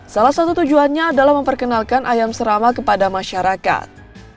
salah satu tujuannya adalah memperkenalkan ayam serama kepada masyarakat